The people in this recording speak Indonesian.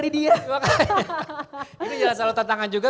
ini salah satu tantangan juga